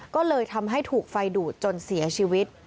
ก็เลยทำให้ถูกไฟดูดจนเสียชีวิต